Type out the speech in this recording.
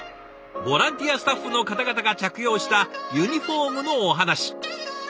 ボランティアスタッフの方々が着用したユニフォームのお話。